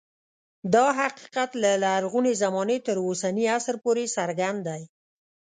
دا حقیقت له لرغونې زمانې تر اوسني عصر پورې څرګند دی